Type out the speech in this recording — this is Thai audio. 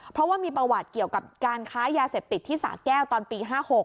เพราะว่ามีประวัติเกี่ยวกับการค้ายาเสพติดที่สะแก้วตอนปี๕๖